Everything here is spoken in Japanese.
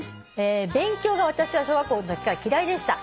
「勉強が私は小学校のときから嫌いでした」